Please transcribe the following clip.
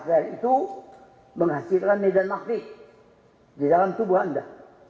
kekuatan itu menghasilkan medan makhluk di dalam tubuh anda